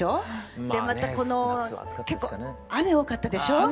で結構雨多かったでしょう？